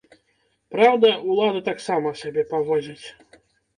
Праўда, улады так сама сябе паводзяць.